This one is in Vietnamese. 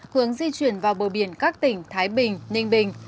hướng di chuyển vào bờ biển các tỉnh thái bình ninh bình